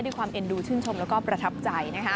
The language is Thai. ความเอ็นดูชื่นชมแล้วก็ประทับใจนะคะ